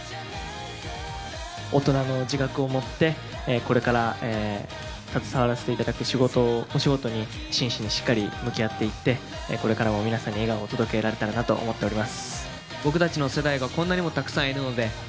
大人の自覚を持って、これから携わらさせていただくお仕事に真摯にしっかり向き合っていって、これからも皆さんに笑顔を届けられたらなと思います。